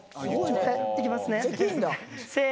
いきますねせの。